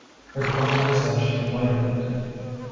Her crime was that she played with it.